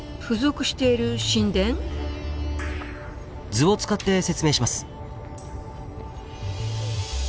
図を使って説明します。